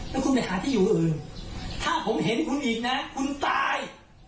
แล้วคุณไปหาที่อยู่อื่นถ้าผมเห็นคุณอีกนะคุณตาย